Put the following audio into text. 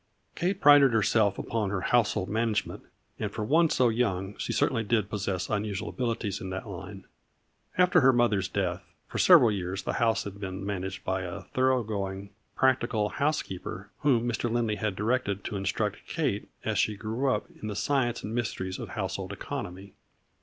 Kate prided herself upon her household man agement, and for one so young she certainly did possess unusual abilities in that line. After her mother's death, for several years the house had been managed by a thorough going, practi cal housekeeper, whom Mr. Lindley had directed to instruct Kate as she grew up in the science and mysteries of household economy.